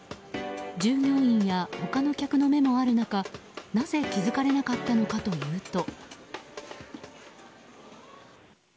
従業員や他の客の目もある中なぜ気づかれなかったのかというと。